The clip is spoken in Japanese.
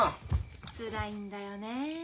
つらいんだよねえ。